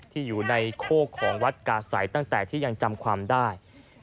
ที่อยู่ในโคกของวัดกาศัยตั้งแต่ที่ยังจำความได้